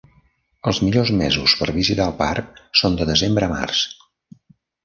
Els millors mesos per visitar el parc són de desembre a mars.